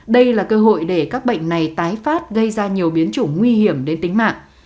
đây là cơ hội để các bệnh này tái phát gây ra nhiều biến chủng nguy hiểm đến tính mạng